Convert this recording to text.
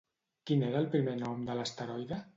Quin era el primer nom de l'asteroide?